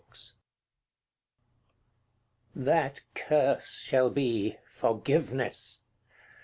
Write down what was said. CXXXV. That curse shall be forgiveness.